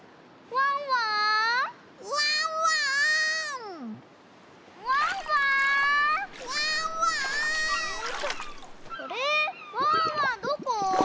ワンワンどこ？